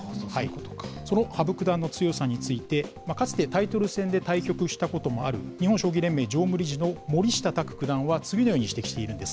その羽生九段の強さについて、かつてタイトル戦で対局したこともある、日本将棋連盟常務理事の森下卓九段は次のように指摘しているんです。